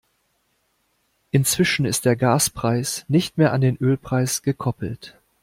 Inzwischen ist der Gaspreis nicht mehr an den Ölpreis gekoppelt.